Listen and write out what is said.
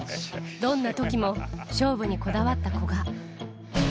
どんなときも、勝負にこだわった古賀。